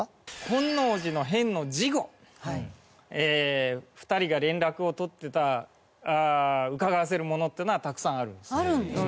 本能寺の変の事後２人が連絡を取ってたうかがわせるものっていうのはたくさんあるんですよ。